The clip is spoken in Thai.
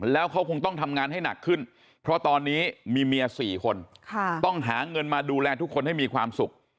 แล้วเขาคงต้องทำงานให้หนักขึ้นเพราะตอนนี้มีเมีย๔คนต้องหาเงินมาดูแลทุกคนให้มีความสุข